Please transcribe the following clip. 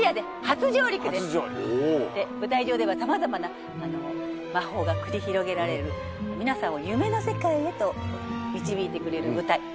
初上陸で舞台上では様々な魔法が繰り広げられる皆さんを夢の世界へと導いてくれる舞台